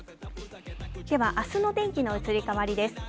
ではあすの天気の移り変わりです。